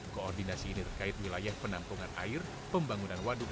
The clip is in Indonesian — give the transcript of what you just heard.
koordinasi ini terkait wilayah penampungan air pembangunan waduk